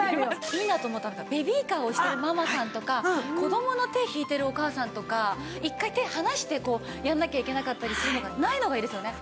いいなって思ったのがベビーカーを押してるママさんとか子供の手を引いてるお母さんとか一回手を離してこうやんなきゃいけなかったりするのがないのがいいですよね。